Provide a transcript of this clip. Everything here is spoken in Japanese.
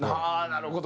なるほど。